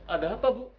ada apa bu